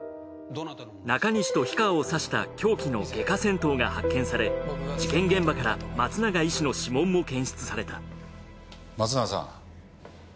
中西と氷川を刺した凶器の外科剪刀が発見され事件現場から松永医師の指紋も検出された松永さん。